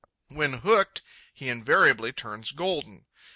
When hooked, he invariably turns golden.